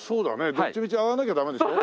どっちみち上がんなきゃダメでしょ？